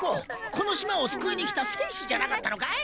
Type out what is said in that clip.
この島を救いに来た戦士じゃなかったのかい？